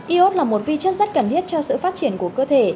iốt là một vi chất rất cần thiết cho sự phát triển của cơ thể